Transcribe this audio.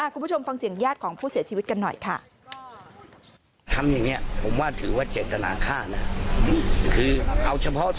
คุณผู้ชมฟังเสียงญาติของผู้เสียชีวิตกันหน่อยค่ะ